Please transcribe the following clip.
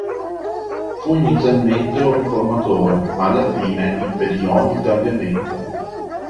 Fu inizialmente un riformatore, ma alla fine impedì ogni cambiamento.